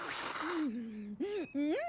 うん！